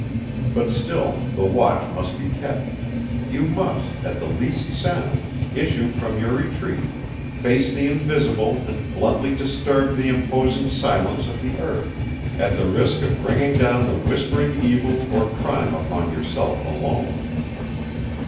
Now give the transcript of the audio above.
But still the watch must be kept; you must, at the least sound, issue from your retreat, face the invisible and bluntly disturb the imposing silence of the earth, at the risk of bringing down the whispering evil or crime upon yourself alone.